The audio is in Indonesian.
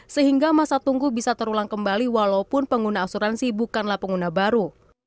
sehingga masa tunggu bisa terulang kembali walaupun pengguna asuransi bukanlah pengguna baru